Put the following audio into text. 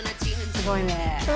すごいね。